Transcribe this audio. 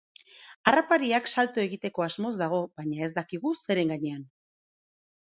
Harrapariak salto egiteko asmoz dago baina ez dakigu zeren gainean.